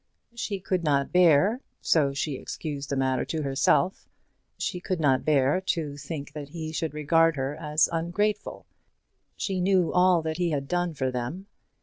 She could not bear, so she excused the matter to herself, she could not bear to think that he should regard her as ungrateful. She knew all that he had done for them.